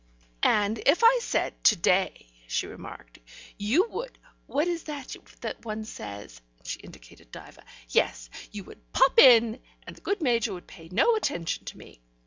"And if I said 'To day'," she remarked, "you would what is it that that one says" and she indicated Diva "yes, you would pop in, and the good Major would pay no attention to me.